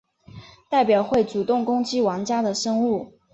代表会主动攻击玩家的生物。